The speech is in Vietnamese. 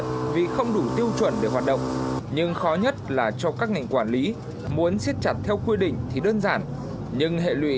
thì không biết tổ chức chương trình để làm gì